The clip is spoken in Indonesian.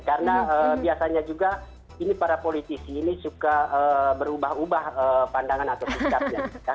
karena biasanya juga ini para politisi ini suka berubah ubah pandangan atau sikapnya